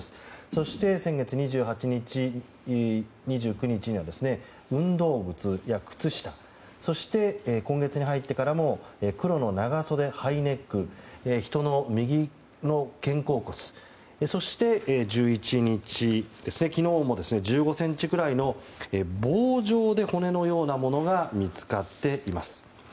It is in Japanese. そして先月２８日、２９日には運動靴や靴下そして今月に入ってからも黒の長袖ハイネック人の右の肩甲骨そして１１日、昨日も１５ｃｍぐらいの棒状で骨のようなものが見つかっています。